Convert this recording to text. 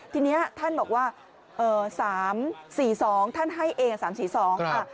ทีนี้ท่านบอกว่า๓๔๒ท่านให้เอ๓๔๒ค่ะ